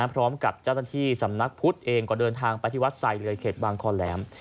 พร้อมกับเจ้าหน้าที่สำนักพุทธเองก็เดินทางไปที่วัดสายเลยเขตบางคอแหลม